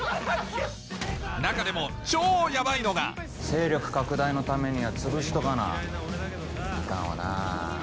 中でも超ヤバいのが勢力拡大のためにはつぶしとかないかんわな。